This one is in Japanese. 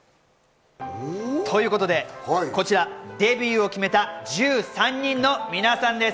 こちら、デビューを決めた１３人の皆さんです。